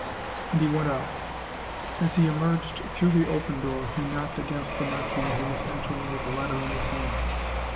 And he went out. As he emerged through the open door, he knocked against the Marquis, who was entering, with a letter in his hand.